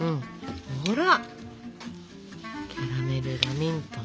ほらキャラメルラミントン。